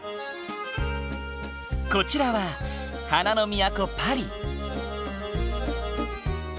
こちらは花の都パリ。